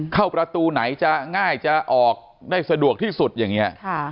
เข้าประตูไหนจะง่ายจะออกได้สะดวกที่สุดอย่างนี้